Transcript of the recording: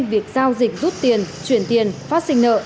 việc giao dịch rút tiền chuyển tiền phát sinh nợ